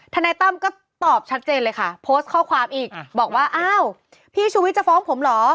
นายตั้มก็ตอบชัดเจนเลยค่ะโพสต์ข้อความอีกบอกว่าอ้าวพี่ชูวิทย์จะฟ้องผมเหรอ